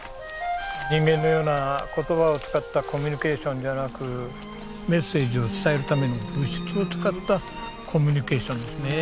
人間のような言葉を使ったコミュニケーションではなくメッセージを伝えるための物質を使ったコミュニケーションですね。